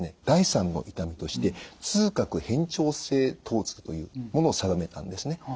第３の痛みとして痛覚変調性疼痛というものを定めたんですね。